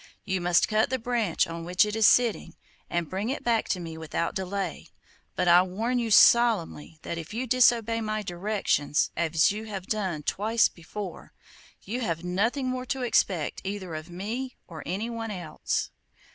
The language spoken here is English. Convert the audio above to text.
You must cut the branch on which it is sitting, and bring it back to me without delay. But I warn you solemnly that if you disobey my directions, as you have done twice before, you have nothing more to expect either of me or anyone else.